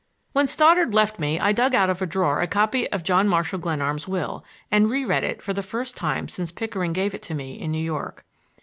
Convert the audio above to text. When Stoddard left me I dug out of a drawer my copy of John Marshall Glenarm's will and re read it for the first time since Pickering gave it to me in New York.